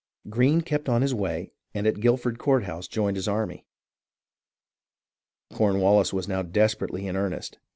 Greene kept on his way and at Guilford Courthouse joined his army. Cornwallis was now desperately in earnest.